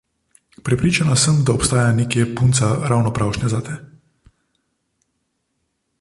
Prepričana sem, da obstaja nekje punca ravno pravšnja zate.